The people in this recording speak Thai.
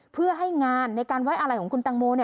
เพื่อให้งานในการไว้อะไรของคุณตังโม